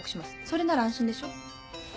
それなら安心でしょ？